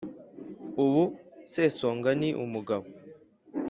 ubu sesonga ni umugabo